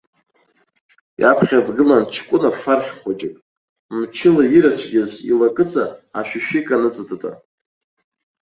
Иаԥхьа дгылан ҷкәына фархь хәыҷык, мчыла ирыцәгьаз илакыҵа ашәишәи-кан ыҵатата.